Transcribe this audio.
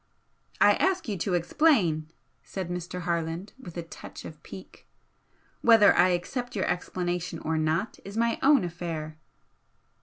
"I ask you to explain," said Mr. Harland, with a touch of pique "Whether I accept your explanation or not is my own affair."